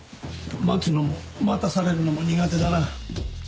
待つのも待たされるのも苦手だな。